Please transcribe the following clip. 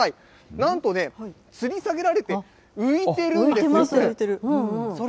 なんとね、つり下げられて浮いてるんです、これ。